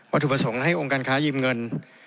ถูกประสงค์ให้องค์การค้ายืมเงิน